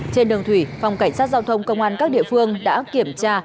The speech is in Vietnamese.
trên đường thủy phòng cảnh sát giao thông công an các địa phương đã kiểm tra